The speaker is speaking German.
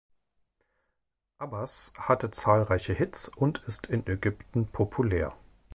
Abbas hatte zahlreiche Hits und ist in Ägypten populär.